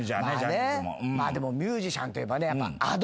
まあでもミュージシャンといえばＡｄｏ。